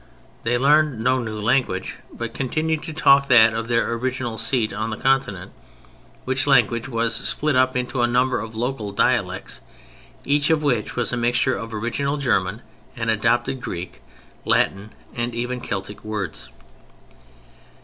They learnt no new language, but continued to talk that of their original seat on the Continent, which language was split up into a number of local dialects, each of which was a mixture of original German and adopted Greek, Latin and even Celtic words.